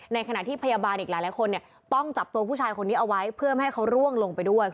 ในขณะที่พยาบาลอีกหลายคนเนี่ยต้องจับตัวผู้ชายคนนี้เอาไว้เพื่อไม่ให้เขาร่วงลงไปด้วย